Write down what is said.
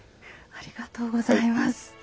ありがとうございます。